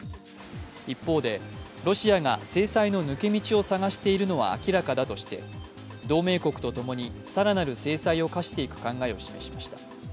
一方でロシアが制裁の抜け道を探しているのは明らかだとして同盟国とともにさらなる制裁を科していく考えを示しました。